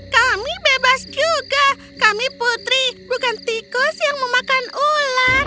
kami bebas juga kami putri bukan tikus yang memakan ular